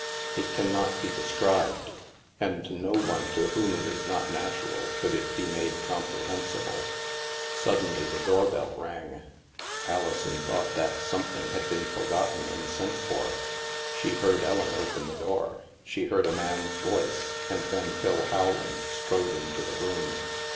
It can not be described, and to no one to whom it is not natural could it be made comprehensible. Suddenly the doorbell rang. Alison thought that something had been forgotten and sent for. She heard Ellen open the door, she heard a man's voice, and then Phil Howland strode into the room.